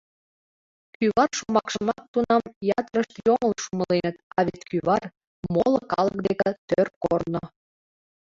«Кӱвар» шомакшымак тунам ятырышт йоҥылыш умыленыт, а вет кӱвар — моло калык деке тӧр корно.